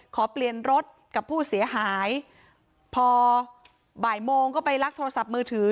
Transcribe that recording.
ขอเปลี่ยนรถกับผู้เสียหายพอบ่ายโมงก็ไปลักโทรศัพท์มือถือ